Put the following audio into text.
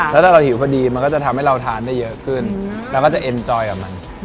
แล้วถ้าเราหิวพอดีมันก็จะทำให้เราทานได้เยอะขึ้นเราก็จะเอ็นจอยกับมัน